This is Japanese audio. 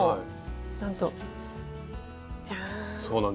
なんとじゃん。